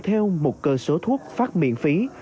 theo một cơ số thuốc phát miễn phí